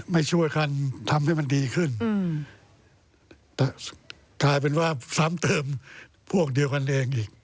ไม่ช่วยกันทำให้มันดีขึ้นอืมแต่กลายเป็นว่าซ้ำเติมพวกเดียวกันเองอีก